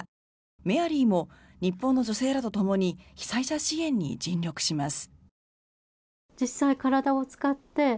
メアリーも日本の女性らとともに被災者支援に尽力します。